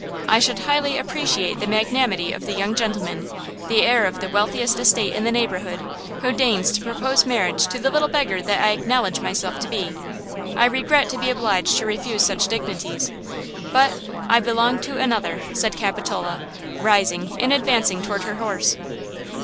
I should highly appreciate the magnanimity of the young gentleman, the heir of the wealthiest estate in the neighborhood who deigns to propose marriage to the little beggar that I acknowledge myself to be. I regret to be obliged to refuse such dignities, but–I belong to another," said Capitola, rising and advancing toward her horse.